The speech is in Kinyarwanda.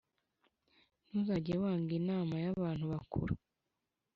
Ntuzajye wnga inama ya bantu bakuru